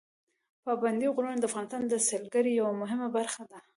پابندي غرونه د افغانستان د سیلګرۍ یوه مهمه برخه ده.